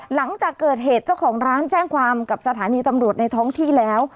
หลังจากเกิดเหตุเจ้าของร้านแจ้งความกับสถานีตำรวจในท้องที่แล้ว